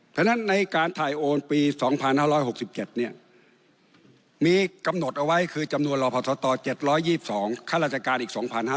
ฉะนั้นในการถ่ายโอนปี๒๕๖๗มีกำหนดเอาไว้คือจำนวนรอพศต๗๒๒ข้าราชการอีก๒๕๖๐